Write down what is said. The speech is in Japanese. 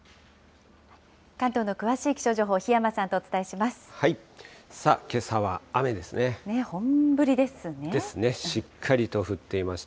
関東の詳しい気象情報、檜山さんとお伝えします。